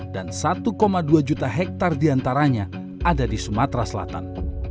dan satu dua juta hektar di antaranya ada di sumatera selatan